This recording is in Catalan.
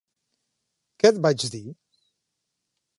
Què et vaig dir?